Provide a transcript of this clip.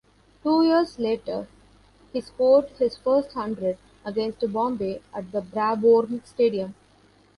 Two years later he scored his first hundred, against Bombay at the Brabourne Stadium.